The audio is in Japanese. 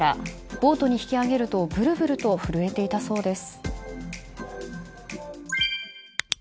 ボートに引き上げるとぶるぶると震えていたそうです。